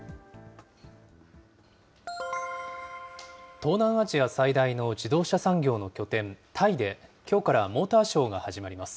東南アジア最大の自動車産業の拠点、タイできょうからモーターショーが始まります。